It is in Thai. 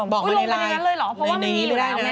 ลงไปในนั้นเลยเหรอเพราะว่าไม่มี